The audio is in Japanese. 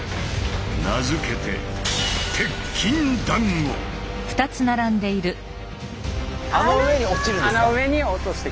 名付けてあの上に落ちるんですか？